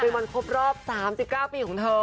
เป็นวันครบรอบ๓๙ปีของเธอ